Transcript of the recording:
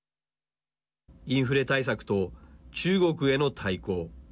インフレ対策と中国への対抗。